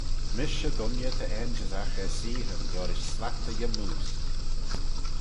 Mish y dooinney ta ainjyssagh er seaghyn liorish slat e yymmoose.